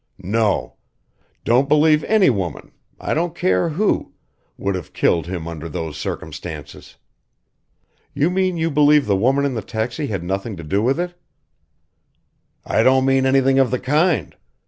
"No. Don't believe any woman I don't care who would have killed him under those circumstances." "You mean you believe the woman in the taxi had nothing to do with it?" "I don't mean anything of the kind.